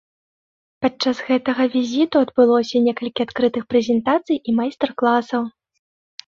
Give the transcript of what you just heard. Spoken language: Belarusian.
Падчас гэтага візіту адбылося некалькі адкрытых прэзентацый і майстар-класаў.